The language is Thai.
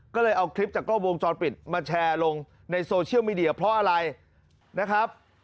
ก็เลยเอาคลิปจากกล้องวงจรปิดมาแชร์ลงในโซเชียลมีเดียเพราะอะไรนะครับ